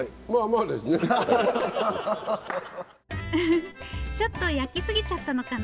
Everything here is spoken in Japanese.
ウフフちょっと焼きすぎちゃったのかな。